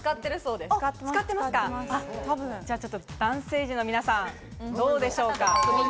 ではちょっと男性陣の皆さん、どうでしょうか？